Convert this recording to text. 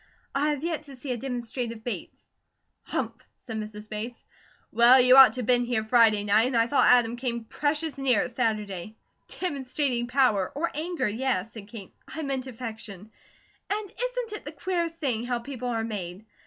I have yet to see a demonstrative Bates." "Humph!" said Mrs. Bates. "Well, you ought to been here Friday night, and I thought Adam came precious near it Saturday." "Demonstrating power, or anger, yes," said Kate. "I meant affection. And isn't it the queerest thing how people are made?